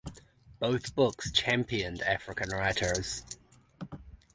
Both books "championed" African writers.